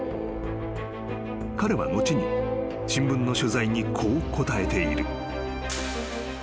［彼は後に新聞の取材にこう答えている］